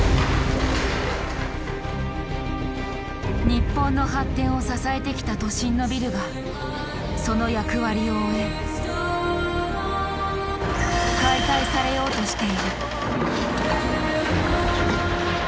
日本の発展を支えてきた都心のビルがその役割を終え解体されようとしている。